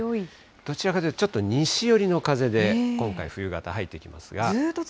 どちらかというと、ちょっと西寄りの風で、今回、冬型入ってきますが。